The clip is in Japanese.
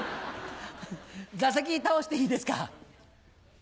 座席倒していいですか？